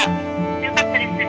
「よかったです。